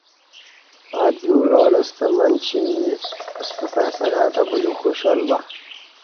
ادیو رالہ ستہ منچی ستہ فیصلہ تہ بلیوک خوشحال بہ